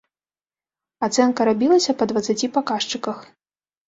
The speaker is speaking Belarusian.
Ацэнка рабілася па дваццаці паказчыках.